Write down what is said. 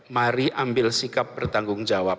mari ambil sikap bertanggung jawab